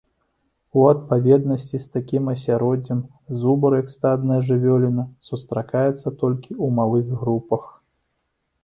У адпаведнасці з такім асяроддзем, зубр, як стадная жывёла, сустракаецца толькі ў малых групах.